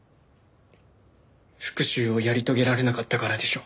復讐をやり遂げられなかったからでしょう。